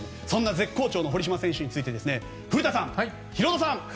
そんな絶好調の堀島選手について古田さん、ヒロドさん